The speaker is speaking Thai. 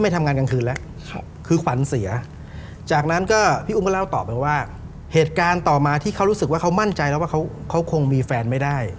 ที่เค้ารู้สึกว่าเค้ามั่นใจแล้วว่าเค้าคงมีแฟนไม่ได้